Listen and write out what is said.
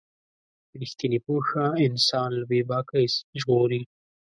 رښتینې پوهه انسان له بې باکۍ ژغوري.